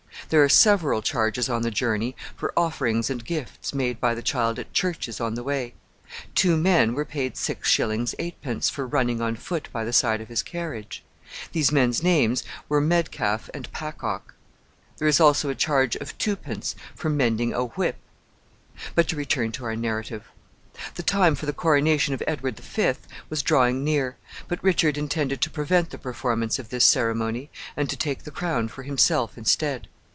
There are several charges on the journey for offerings and gifts made by the child at churches on the way. Two men were paid 6_s._ 8_d._ for running on foot by the side of his carriage. These men's names were Medcalf and Pacock. There is also a charge of 2_d._ for mending a whip! But to return to our narrative. The time for the coronation of Edward the Fifth was drawing near, but Richard intended to prevent the performance of this ceremony, and to take the crown for himself instead.